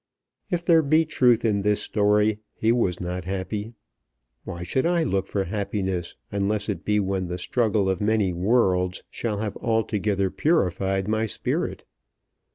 If there be truth in this story, He was not happy. Why should I look for happiness, unless it be when the struggle of many worlds shall have altogether purified my spirit?